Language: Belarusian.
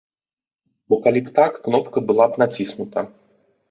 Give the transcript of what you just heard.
Бо калі б так, кнопка была б націснута.